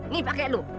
nih pake lu